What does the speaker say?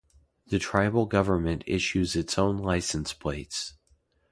The tribal government issues its own license plates.